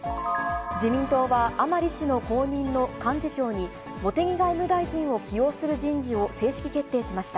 自民党は、甘利氏の後任の幹事長に、茂木外務大臣を起用する人事を正式決定しました。